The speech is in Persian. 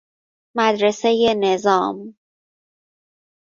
مدرسۀ نظام